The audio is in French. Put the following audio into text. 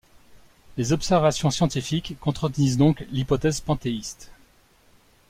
Les observations scientifiques contredisent donc l'hypothèse panthéiste.